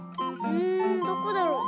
うんどこだろう？